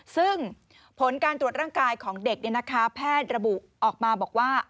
ซึ่งผลการตรวจร่างกายของเด็กแพทย์ระบุออกมาบอกว่า